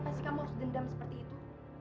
kenapa sih kamu harus dendam seperti itu